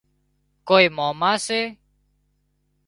ڪوئي ماما سي